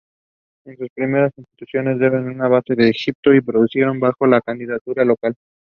Estas primeras incursiones desde una base en Egipto se produjeron bajo la iniciativa local.